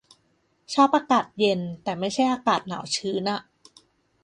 ชอบอากาศเย็น แต่ไม่ใช่อากาศหนาวชื้นอะ